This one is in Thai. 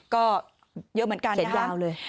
ก็เยอะเหมือนกันเห็นยาวเลย